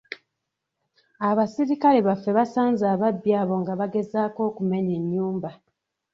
Abasirikale baffe basanze ababbi abo nga bagezaako okumenya ennyumba.